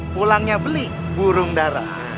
pulangnya beli burung darah